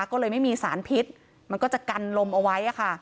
ก็เลยไม่มีสารพิษมันก็จะกันลมเอาไว้ค่ะ